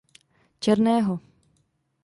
Černého.